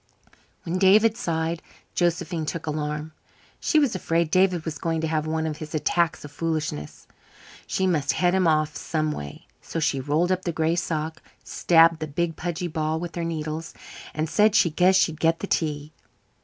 When David sighed Josephine took alarm. She was afraid David was going to have one of his attacks of foolishness. She must head him off someway, so she rolled up the gray sock, stabbed the big pudgy ball with her needles, and said she guessed she'd get the tea.